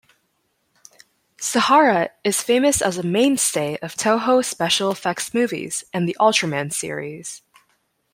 Sahara is famous as a mainstay of Toho special-effects movies and the Ultraman series.